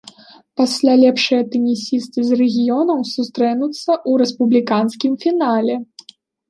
Пасля лепшыя тэнісісты з рэгіёнаў сустрэнуцца ў рэспубліканскім фінале.